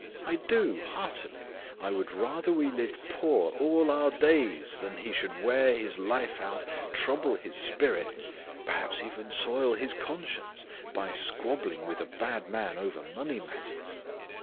"I do, heartily. I would rather we lived poor all our days than that he should wear his life out, trouble his spirit, perhaps even soil his conscience, by squabbling with a bad man over money matters."